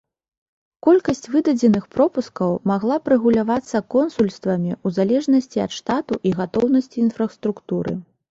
Колькасць выдадзеных пропускаў магла б рэгулявацца консульствамі ў залежнасці ад штату і гатоўнасці інфраструктуры.